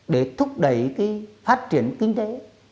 để thúc đẩy phát triển kinh tế